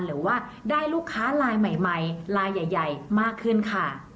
หรือว่าได้ลูกค้าลายใหม่ลายใหญ่มากขึ้นค่ะ